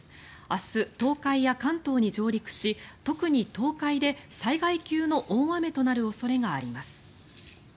明日、東海や関東に上陸し特に東海で災害級の大雨となる恐れがあります。